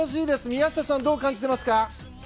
宮下さん、どう感じてますか？